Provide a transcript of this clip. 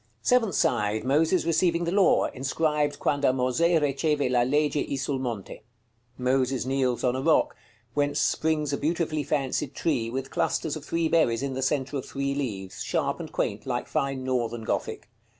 Seventh side. Moses receiving the law. Inscribed: "QUANDO MOSE RECEVE LA LEGE I SUL MONTE." Moses kneels on a rock, whence springs a beautifully fancied tree, with clusters of three berries in the centre of three leaves, sharp and quaint, like fine Northern Gothic.